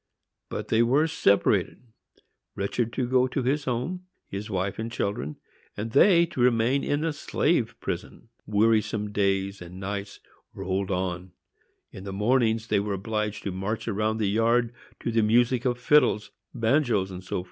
But they were separated,—Richard to go to his home, his wife and children, and they to remain in the slave prison. Wearisome days and nights again rolled on. In the mornings they were obliged to march round the yard to the music of fiddles, banjoes, &c.